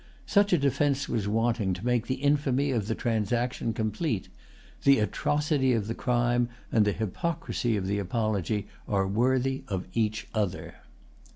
Such a defence was wanting to make the infamy of the transaction complete. The atrocity of the crime, and the hypocrisy of the apology, are worthy of each other.